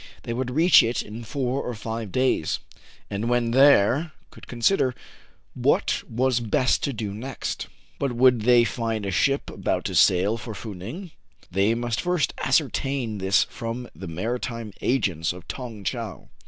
They would reach it in four or five days, and, when there, could consider what was best to do next. But would they find a ship about to sail for Fou Ning? They must first ascertain this from the maritime agents of Tong Tcheou.